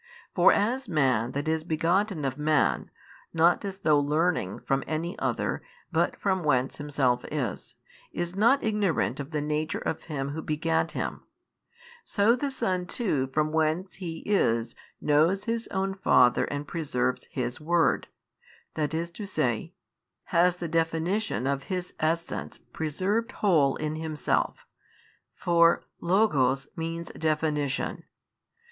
For as man that is begotten of man, not as though learning from any other but from whence himself is, is not ignorant of the nature of him who begat him; so the Son too from whence He is knows His own Father and preserves His word, i. e., has the definition of His Essence preserved whole in Himself, for λόγος means definition.